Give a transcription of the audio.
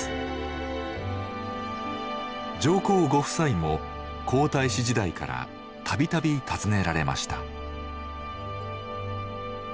上皇ご夫妻も皇太子時代から度々訪ねられました。